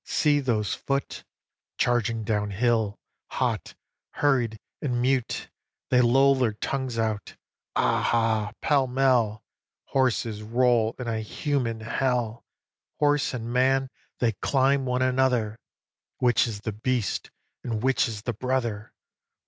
see those foot Charging down hill hot, hurried, and mute! They loll their tongues out! Ah hah! pell mell! Horses roll in a human hell; Horse and man they climb one another Which is the beast, and which is the brother?